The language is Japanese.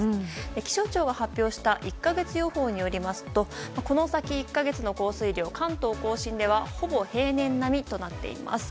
気象庁が発表した１か月予報によりますとこの先１か月の降水量関東・甲信ではほぼ平年並みとなっています。